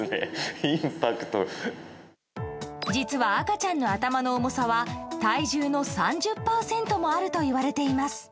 実は、赤ちゃんの頭の重さは体重の３０％もあるといわれています。